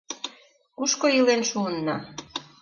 Кушко илен шуынна?